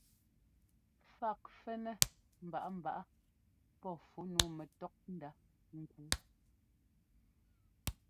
Fák fɛ́nɛ́ mbaꞌámbaꞌá pɔ́ fú nǔu nɛtɔ́kndá ŋ́kúu.